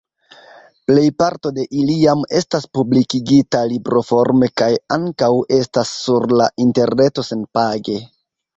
Plejparto de ili jam estas publikigita libroforme kaj ankaŭ estas sur la interreto senpage.